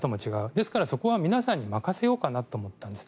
ですから、そこは皆さんに任せようかなと思ったんです。